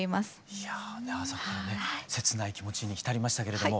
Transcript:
いやぁ朝からね切ない気持ちに浸りましたけれども。